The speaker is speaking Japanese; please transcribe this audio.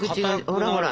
ほらほら